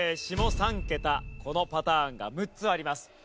下３桁このパターンが６つあります。